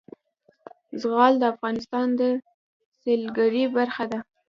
زغال د افغانستان د سیلګرۍ برخه ده.